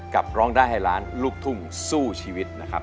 ร้องได้ให้ล้านลูกทุ่งสู้ชีวิตนะครับ